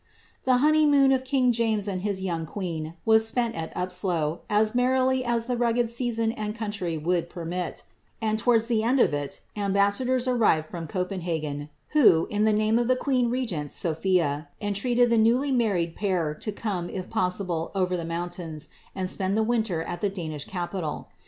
The honeymoon of king James and his young queen was spent at Upslo, as merrily as the rugged season and country would permit ; and towards the end of it, ambassadors arrived from Copenhagen, who, in the name of the queen regent, Sophia, entreated the newly married pair to come, if possible, over the mountains, and spend the winter at the Danish capital.